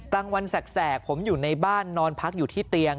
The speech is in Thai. กลางวันแสกผมอยู่ในบ้านนอนพักอยู่ที่เตียง